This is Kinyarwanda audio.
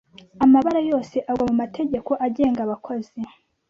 Amabara yose agwa mumategeko agenga abakozi